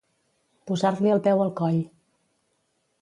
Posar-li el peu al coll.